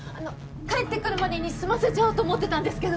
帰って来るまでに済ませちゃおうと思ってたんですけど。